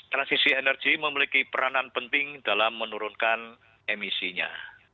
transisi energi memiliki peranan penting dalam menurunkan emisinya